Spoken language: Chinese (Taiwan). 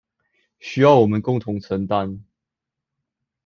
需要我們共同承擔